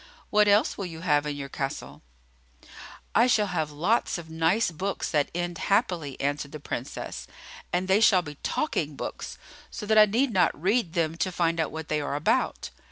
"What else will you have in your castle?" "I shall have lots of nice books that end happily," answered the Princess; "and they shall be talking books, so that I need not read them to find out what they are about.